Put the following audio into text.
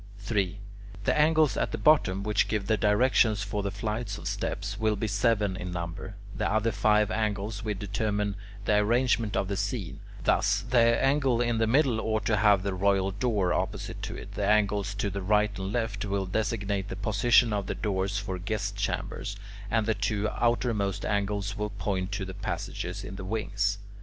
3. The angles at the bottom, which give the directions for the flights of steps, will be seven in number (C, E, F, G, H, I, D); the other five angles will determine the arrangement of the scene: thus, the angle in the middle ought to have the "royal door" (K) opposite to it; the angles to the right and left (L, M) will designate the position of the doors for guest chambers; and the two outermost angles (A, B) will point to the passages in the wings.